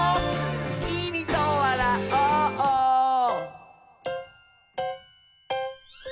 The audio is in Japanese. きみとわらおう！」